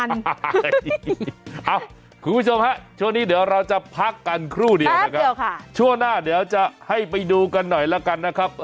คุณผู้ชมฮะช่วงนี้เดี๋ยวเราจะพักกันครู่เดียวนะครับช่วงหน้าเดี๋ยวจะให้ไปดูกันหน่อยแล้วกันนะครับ